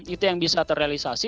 itu yang bisa terrealisasi